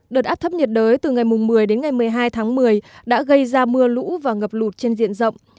đợt áp thấp nhiệt đới từ ngày một mươi đến ngày một mươi hai tháng một mươi đã gây ra mưa lũ và ngập lụt trên diện rộng